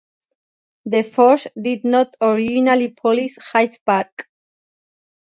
The force did not originally police Hyde Park.